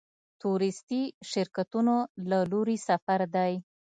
د تورېستي شرکتونو له لوري سفر دی.